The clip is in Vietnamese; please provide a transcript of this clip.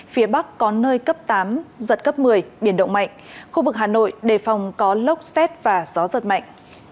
phía bắc có nơi cấp tám giật cấp một mươi biển động mạnh khu vực hà nội đề phòng có lốc xét và gió giật mạnh